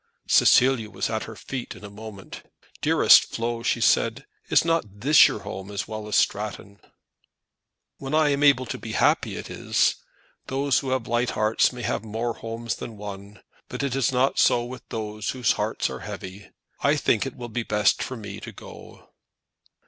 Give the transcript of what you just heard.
Cecilia was at her feet in a moment. "Dearest Flo," she said. "Is not this your home as well as Stratton?" "When I am able to be happy it is. Those who have light hearts may have more homes than one; but it is not so with those whose hearts are heavy. I think it will be best for me to go."